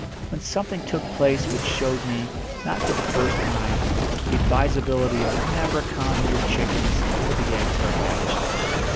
when something took place which showed me, not for the first time, the advisability of never counting your chickens till the eggs are hatched.